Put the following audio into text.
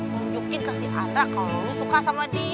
tunjukin ke si andra kalo lu suka sama dia